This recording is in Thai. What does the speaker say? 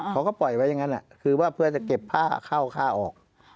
เขาก็ปล่อยไว้อย่างนั้นคือว่าเพื่อจะเก็บผ้าเข้าค่าออก